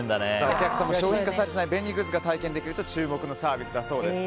お客さんも商品化されてない便利グッズを体験できると注目のサービスだそうです。